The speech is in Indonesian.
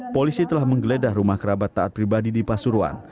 polisi telah menggeledah rumah kerabat taat pribadi di pasuruan